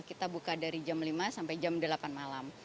kita buka dari jam lima sampai jam delapan malam